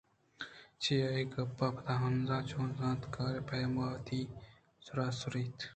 چہ اے گپاں پد ہانزءَ چو زانت کار ءِ پیم ءَ وتی سر سُرینت